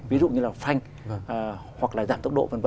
ví dụ như là phanh hoặc là giảm tốc độ v v